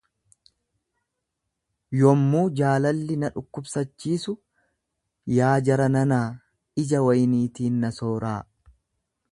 Yommuu jaalalli na dhukkubsachiisu, yaa jara nana, ija wayniitiin na sooraa,